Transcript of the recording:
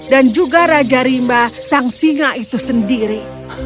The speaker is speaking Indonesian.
dan juga raja rimba sang singa itu sendiri